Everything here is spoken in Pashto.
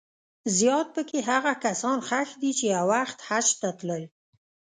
زیات په کې هغه کسان ښخ دي چې یو وخت حج ته تلل.